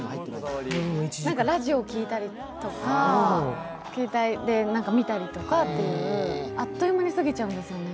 ラジオ聞いたりとか携帯を見たりとかあっという間に過ぎちゃうんですよね。